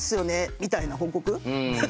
みたいな報告。